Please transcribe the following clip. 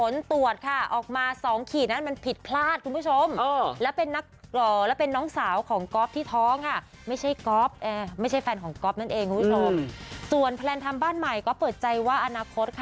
ส่วนแพลนทำบ้านใหม่ก็เปิดใจว่าอนาคตค่ะ